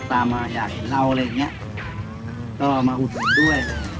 ตามมาอยากเห็นเราอะไรอย่างเงี้ยก็มาอุดหนุนด้วย